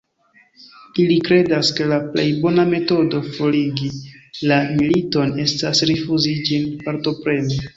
Ili kredas, ke la plej bona metodo forigi la militon, estas rifuzi ĝin partopreni.